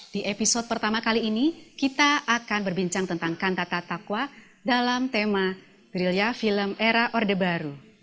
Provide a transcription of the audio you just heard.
di episode pertama kali ini kita akan berbincang tentang kantata takwa dalam tema gerilya film era orde baru